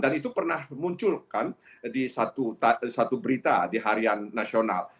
dan itu pernah muncul kan di satu berita di harian nasional